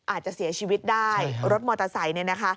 อาจจะเสียชีวิตได้รถมอเตอร์ไซส์